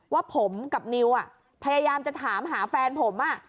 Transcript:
ว่าผมกับนิวพยายามจะถามหาแฟนผม